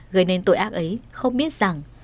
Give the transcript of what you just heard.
gây nên tội ác ấy không biết rằng